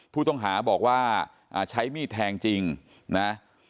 ผู้ต้องหาบอกว่าใช้มีดแทงจริงนะ